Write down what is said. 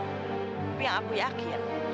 tapi yang aku yakin